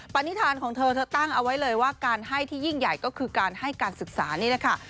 ปณิธานของเธอเธอตั้งเอาไว้เลยว่าการให้ที่ยิ่งใหญ่ก็คือการให้การศึกษานี่แหละค่ะ